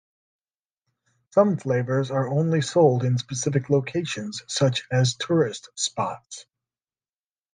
Some flavors are only sold in specific locations, such as tourist spots.